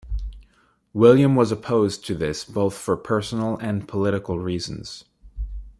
William was opposed to this both for personal and political reasons.